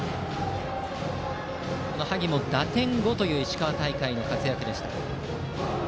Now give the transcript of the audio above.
萩も打点５という石川大会の活躍でした。